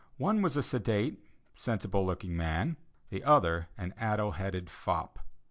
One was a sedate, sensible looking man; the other an addle headed fop.